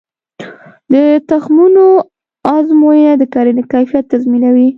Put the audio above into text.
د تخمونو ازموینه د کرنې کیفیت تضمینوي.